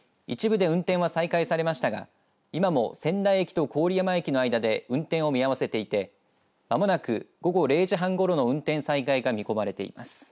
一部で運転は再開されましたが今も仙台駅と郡山駅の間で運転を見合わせていて間もなく午後０時半ごろの運転再開が見込まれています。